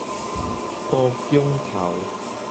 埔姜頭